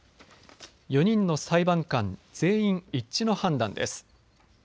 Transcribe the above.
４人の裁判官全員一致の判断です。